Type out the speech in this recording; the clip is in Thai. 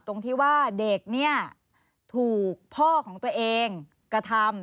ตรงที่ว่าเด็กเนี่ยถูกพ่อของตัวเองกระทำ